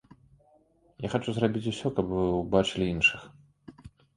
І я хачу зрабіць усё, каб вы ўбачылі іншых.